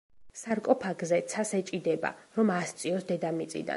სარკოფაგზე ცას ეჭიდება, რომ ასწიოს დედამიწიდან.